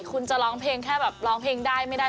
คุณจะร้องเพลงแค่แบบร้องเพลงได้ไม่ได้